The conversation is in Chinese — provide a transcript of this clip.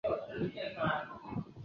切赫巴尼奥。